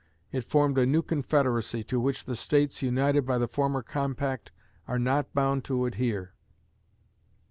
It formed a New Confederacy to which the States united by the former compact are not bound to adhere.